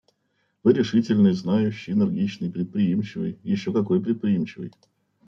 Вы решительный, знающий, энергичный, предприимчивый еще какой предприимчивый.